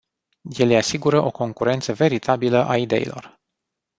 Ele asigură o concurență veritabilă a ideilor.